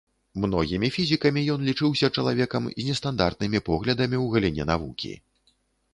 Многімі фізікамі ён лічыўся чалавекам з нестандартнымі поглядамі ў галіне навукі.